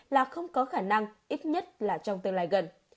là không có khả năng ít nhất là trong tương lai gần